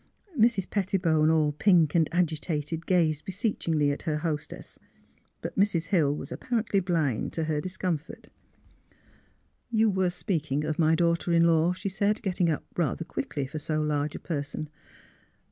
Mrs. Pettibone, all pink and agitated, gazed beseechingly at her hostess. But Mrs. Hill was apparently blind to her discomfort. *' You were speaking of my daughter in law," she said, getting up rather quickly for so large a person.